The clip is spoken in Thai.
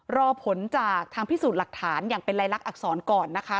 รอผลจากทางพิสูจน์หลักฐานอย่างเป็นลายลักษณอักษรก่อนนะคะ